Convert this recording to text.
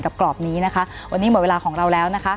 กรอบนี้นะคะวันนี้หมดเวลาของเราแล้วนะคะ